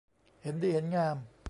เห็นดีเห็นงาม